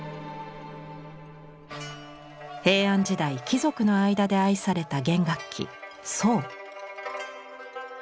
平安時代貴族の間で愛された弦楽器筝。